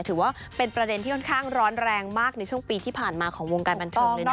ถือว่าเป็นประเด็นที่ค่อนข้างร้อนแรงมากในช่วงปีที่ผ่านมาของวงการบันเทิงเลยนะ